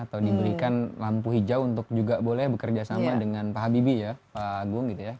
atau diberikan lampu hijau untuk juga boleh bekerja sama dengan pak habibie ya pak agung gitu ya